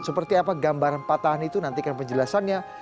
seperti apa gambaran patahan itu nantikan penjelasannya